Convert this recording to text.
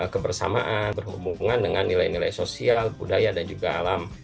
kebersamaan berhubungan dengan nilai nilai sosial budaya dan juga alam